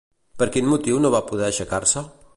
Per quin motiu no va poder aixecar-se?